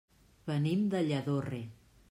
Venim de Lladorre.